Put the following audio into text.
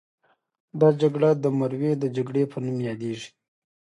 دا جګړه د مروې د جګړې په نوم یادیږي.